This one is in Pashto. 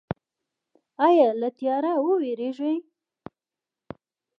ایا له تیاره ویریږئ؟